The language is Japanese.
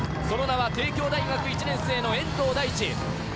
その名は帝京大学１年生の遠藤大地。